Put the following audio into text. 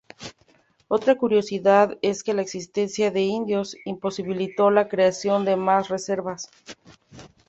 Otra curiosidad es que la existencia de indios imposibilitó la creación de más reservas.